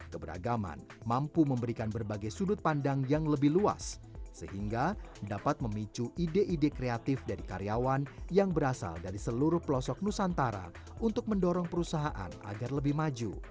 keberagaman mampu memberikan berbagai sudut pandang yang lebih luas sehingga dapat memicu ide ide kreatif dari karyawan yang berasal dari seluruh pelosok nusantara untuk mendorong perusahaan agar lebih maju